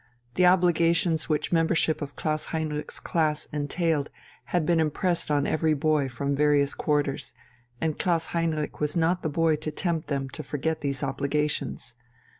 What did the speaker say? The obligations which membership of Klaus Heinrich's class entailed had been impressed on every boy from various quarters, and Klaus Heinrich was not the boy to tempt them to forget these obligations.